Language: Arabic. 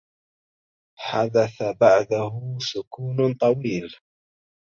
حدث بعده سكون طويل.